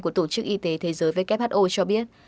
của tổ chức y tế thế giới who cho biết